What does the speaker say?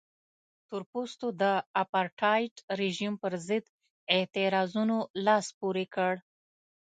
تور پوستو د اپارټایډ رژیم پرضد اعتراضونو لاس پورې کړ.